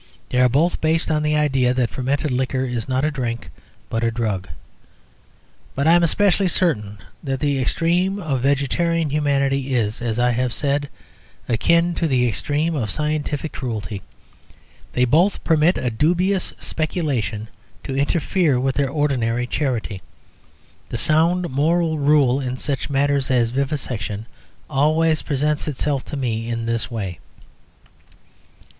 They are both based on the idea that fermented liquor is not a drink, but a drug. But I am specially certain that the extreme of vegetarian humanity is, as I have said, akin to the extreme of scientific cruelty they both permit a dubious speculation to interfere with their ordinary charity. The sound moral rule in such matters as vivisection always presents itself to me in this way.